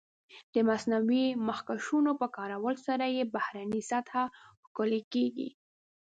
د مصنوعي مخکشونو په کارولو سره یې بهرنۍ سطح ښکلې کېږي.